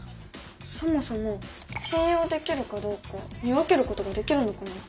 そもそも信用できるかどうか見分けることができるのかな？